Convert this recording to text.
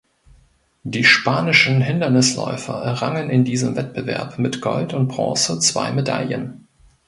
Die spanischen Hindernisläufer errangen in diesem Wettbewerb mit Gold und Bronze zwei Medaillen.